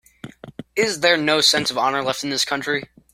Is there no sense of honor left in this country?